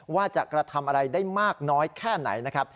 ว่าจะกระทำอะไรได้มากน้อยแค่ไหนนะครับ